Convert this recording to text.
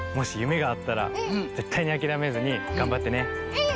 うん！